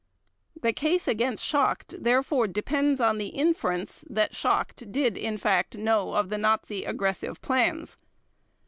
The case against Schacht therefore depends on the inference that Schacht did in fact know of the Nazi aggressive plans.